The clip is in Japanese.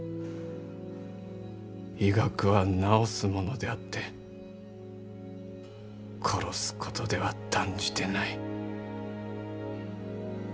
医学は治すものであって殺すことでは断じてない」。